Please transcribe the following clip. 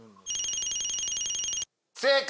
正解！